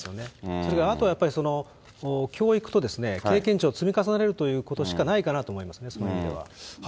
それからあとは教育と経験値を積み重ねるということしかないかなと思いますね、そういう意味では。